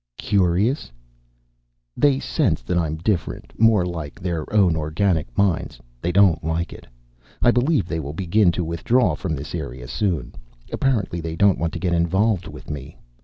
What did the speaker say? "Curious?" "They sense that I'm different, more like their own organic mines. They don't like it. I believe they will begin to withdraw from this area, soon. Apparently they don't want to get involved with me.